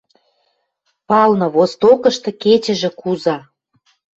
Палны, востокышты, кечӹжӹ куза